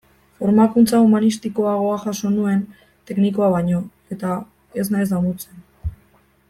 Formakuntza humanistikoagoa jaso nuen teknikoa baino, eta ez naiz damutzen.